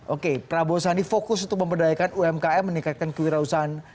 oke prabowo sandi fokus untuk memberdayakan umkm meningkatkan kewirausahaan